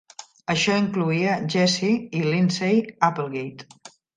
Això incloïa Jesse i Lindsay Applegate.